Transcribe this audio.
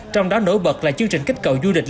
trong đó nổi bật là chương trình kích cầu du lịch